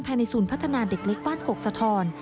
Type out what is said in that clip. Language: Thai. ศูนย์พัฒนาเด็กเล็กบ้านกกสะทอน